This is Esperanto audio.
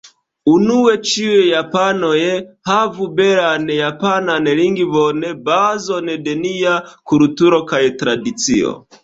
Unue ĉiuj japanoj havu belan japanan lingvon, bazon de nia kulturo kaj tradicio.